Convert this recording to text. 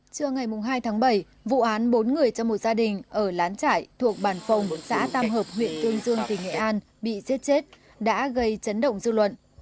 trưa ngày hai tháng bảy vụ án bốn người trong một gia đình ở lán trải thuộc bản phồng xã tam hợp huyện tương dương tỉnh nghệ an bị giết chết đã gây chấn động dư luận